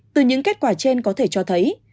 từ những kết quả trên có thể cho thấy